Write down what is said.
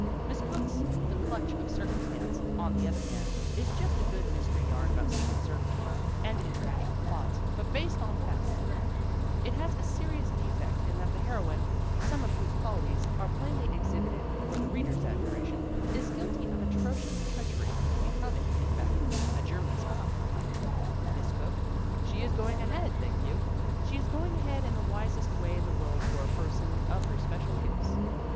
Miss Cooke's The Clutch of Circumstance, on the other hand, is just a good mystery yarn about secret service work and international plots but based on fact It has a serious defect in that the heroine, some of whose qualities are plainly exhibited for the read er's admiration, is guilty of atrocious treachery, be coming, in fact, a German spy! Miss Cooke? She is going ahead, thank you! She is going ahead in the wisest way in the world for a person of her special gifts.